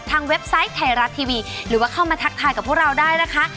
เว็บไซต์ไทยรัฐทีวีหรือว่าเข้ามาทักทายกับพวกเราได้นะคะ